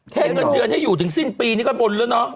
เงินเดือนให้อยู่ถึงสิ้นปีนี้ก็บนแล้วเนาะ